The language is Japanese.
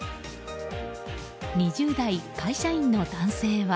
２０代会社員の男性は。